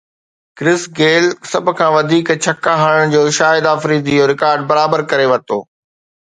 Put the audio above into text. ڪرس Gayle سڀ کان وڌيڪ ڇڪا هڻڻ جو شاهد آفريدي جو رڪارڊ برابر ڪري ورتو